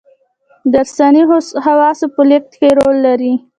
دارثي خواصو په لېږد کې رول لري.